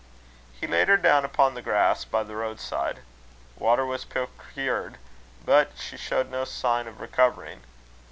He laid her down upon the grass by the roadside. Water was procured, but she showed no sign of recovering.